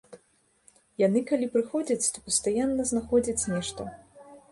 Яны калі прыходзяць, то пастаянна знаходзяць нешта.